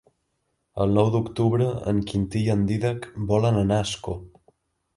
El nou d'octubre en Quintí i en Dídac volen anar a Ascó.